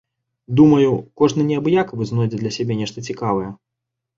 Думаю, кожны неабыякавы знойдзе для сябе нешта цікавае.